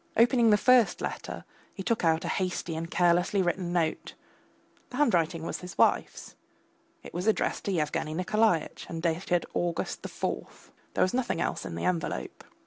Opening the first letter, he took out a hasty and carelessly written note. The handwriting was his wife's; it was addressed to Yevgeny Nikolaitch, and dated August the fourth. There was nothing else in the envelope.